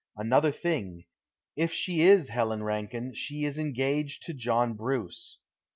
Another thing, if she is Helen Rankine, she is engaged to John Bruce.